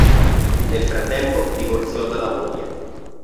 Nel frattempo divorziò dalla moglie.